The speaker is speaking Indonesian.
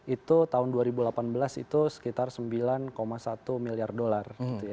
itu tahun dua ribu delapan belas itu sekitar sembilan satu miliar dolar